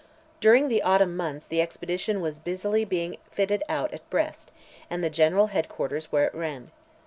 During the autumn months the expedition was busily being fitted out at Brest, and the general head quarters were at Rennes.